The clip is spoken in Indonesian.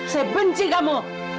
saya benci kamu